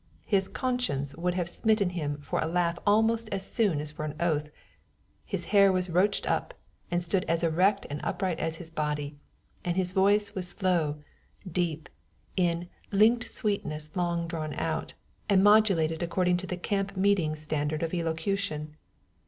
His conscience would have smitten him for a laugh almost as soon as for an oath. His hair was roached up, and stood as erect and upright as his body; and his voice was slow, deep, in "linked sweetness long drawn out," and modulated according to the camp meeting standard of elocution.